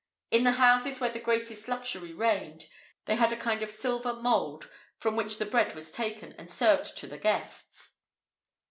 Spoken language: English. In the houses where the greatest luxury reigned, they had a kind of silver mould, from which the bread was taken, and served to the guests.